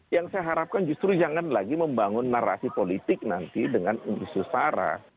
yang saya harapkan justru jangan lagi membangun narasi politik nanti dengan isu sara